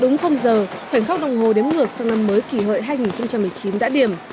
đúng không giờ khoảnh khắc đồng hồ đếm ngược sang năm mới kỳ hợi hai nghìn một mươi chín đã điểm